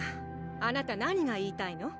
あなた何が言いたいの？